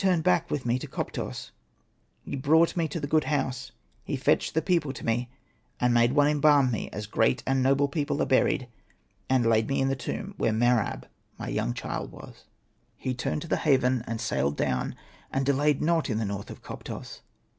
Then he turned back with me to Koptos, he brought me to the Good House, he fetched the people to me, and made one embalm me, as great and noble people are buried, and laid me in the tomb where Mer ab my young child was. Hosted by Google AHURA'S TALE 105 ''He turned to the haven, and sailed down, and delayed not in the north of Koptos.